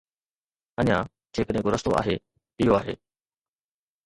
اڃا، جيڪڏهن ڪو رستو آهي، اهو آهي.